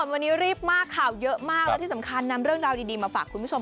วันนี้รีบมากข่าวเยอะมากและที่สำคัญนำเรื่องราวดีมาฝากคุณผู้ชม